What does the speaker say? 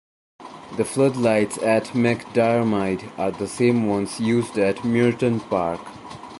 The floodlights at McDiarmid are the same ones used at Muirton Park.